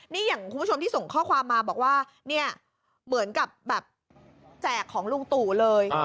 นี่อย่างคุณผู้ชมที่ส่งข้อความมาบอกว่าเนี่ยเหมือนกับแบบแจกของลุงตู่เลย